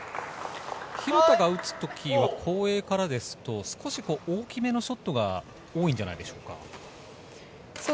廣田が打つ時、後衛からですと少し大きめのショットが多いんじゃないでしょうか？